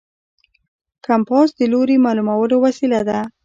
کمپاس د لوري معلومولو وسیله ده.